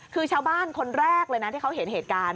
คือชาวบ้านคนแรกเลยนะที่เขาเห็นเหตุการณ์